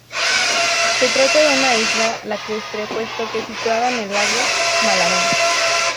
Se trata de una isla lacustre puesto que situada en el lago Mälaren.